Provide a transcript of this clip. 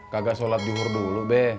kagak sholat dihur dulu be